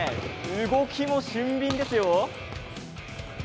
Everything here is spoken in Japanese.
動きも俊敏ですよ。